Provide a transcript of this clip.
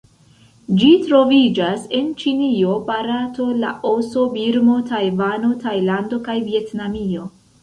Ĝi troviĝas en Ĉinio, Barato, Laoso, Birmo, Tajvano, Tajlando kaj Vjetnamio.